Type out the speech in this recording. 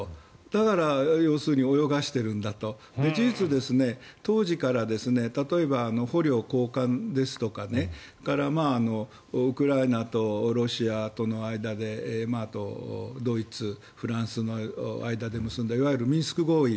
だから要するに泳がせているんだと。事実、当時から例えば捕虜交換ですとかウクライナとロシアとの間であとドイツ、フランスの間で結んだ、いわゆるミンスク合意。